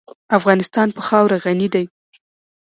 افغانستان په خاوره غني دی.